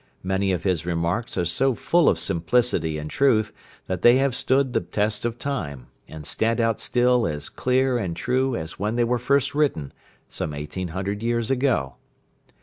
Many of his remarks are so full of simplicity and truth, that they have stood the test of time, and stand out still as clear and true as when they were first written, some eighteen hundred years ago.